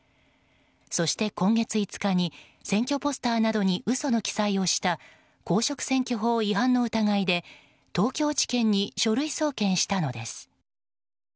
そして、今月５日に選挙ポスターなどに嘘の記載をした公職選挙法違反の疑いで東京地検に書類送検したのです。